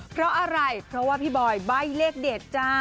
เพราะอะไรเพราะว่าพี่บอยใบ้เลขเด็ดจ้า